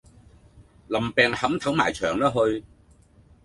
林病扻頭埋牆啦去